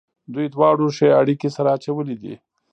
دوی دواړو ښې اړېکې سره اچولې دي.